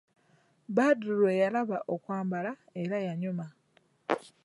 Badru lwe yalaba okwambala era yanyuma.